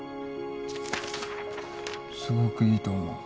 すごくいいと思う。